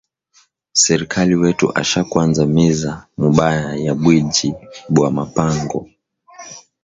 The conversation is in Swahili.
Serkali wetu asha kwanza miza mubaya ya bwiji bwa ma mpango